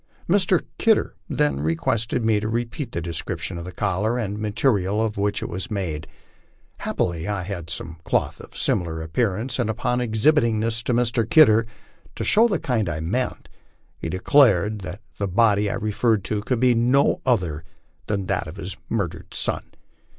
Mr. Kidder then requested me to repeat the description of the collar and material of which it was made ; happily I had some cloth of very similar appearance, and upon ex hibiting this to Mr. Kidder, to show the kind I meant, he declared that the body I referred to could be no other than that of his murdered son.